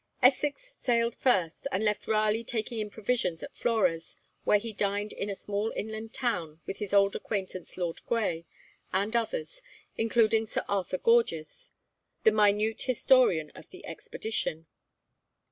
Essex sailed first, and left Raleigh taking in provisions at Flores, where he dined in a small inland town with his old acquaintance Lord Grey, and others, including Sir Arthur Gorges, the minute historian of the expedition.